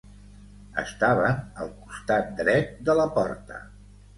Estaven al costat dret de la porta.